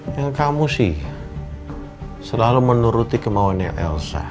yang kamu sih selalu menuruti kemauannya elsa